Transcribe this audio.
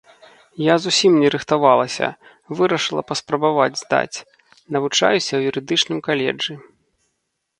Я зусім не рыхтавалася, вырашыла паспрабаваць здаць, навучаюся ў юрыдычным каледжы.